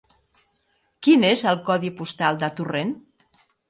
Quin és el codi postal de Torrent?